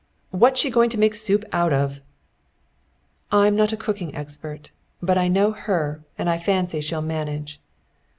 "What's she going to make soup out of?" "I'm not a cooking expert. But I know her and I fancy she'll manage."